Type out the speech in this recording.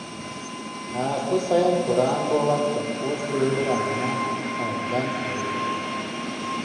Ааспыт сайын кураан буолан, сопхуос сүөһүлэрэ Амма, Алдан ойоҕос